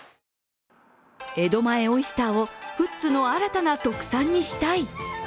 江戸前オイスターを富津の新たな特産にしたい。